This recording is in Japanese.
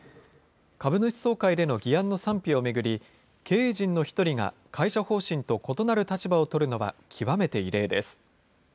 株主総会での議案の賛否を巡り、経営陣の一人が会社方針と異なる立場を取るのは、極めて異例です。